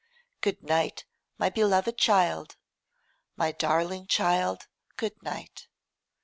Good night, my beloved child; my darling child, good night.